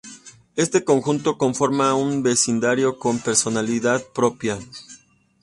Este conjunto conforma un vecindario con personalidad propia.